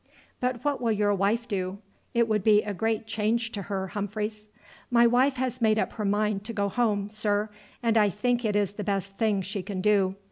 "But what will your wife do? It would be a great change to her, Humphreys." "My wife has made up her mind to go home, sir, and I think it is the best thing she can do.